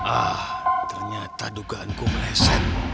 ah ternyata dugaanku meleset